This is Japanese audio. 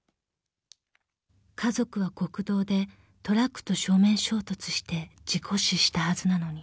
［家族は国道でトラックと正面衝突して事故死したはずなのに］